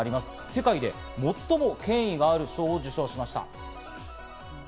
世界で最も権威がある賞を受賞しました。